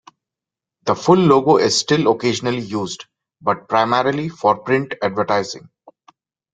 The full logo is still occasionally used, but primarily for print advertising.